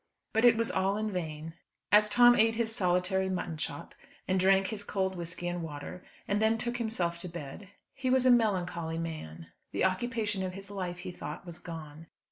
But it was all in vain. As Tom ate his solitary mutton chop, and drank his cold whisky and water, and then took himself to bed, he was a melancholy man. The occupation of his life, he thought, was gone.